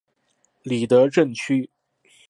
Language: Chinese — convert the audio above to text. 里德镇区。